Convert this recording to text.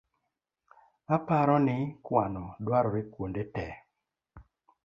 Aparo ni kuano dwarore kuonde tee